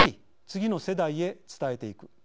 次の世代へ伝えていく。